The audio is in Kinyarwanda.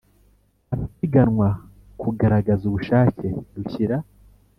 Abapiganwa Kugaragagaza Ubushake Rushyira